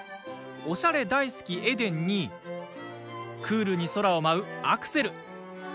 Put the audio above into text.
おしゃれ大好きエデンにクールに空を舞うアクセル。